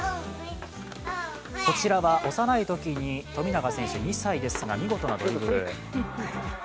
こちらは幼いときに、富永選手、２歳のときですが見事なドリブル。